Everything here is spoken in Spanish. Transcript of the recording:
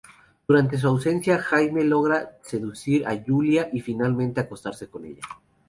Durante su ausencia Jaime logra seducir a Julia y, finalmente, acostarse con ella.